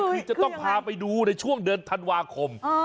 คือจะต้องพาไปดูในช่วงเดือนธันวาคม